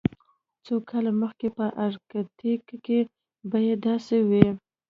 څو کاله مخکې په ارکټیک کې بیې داسې وې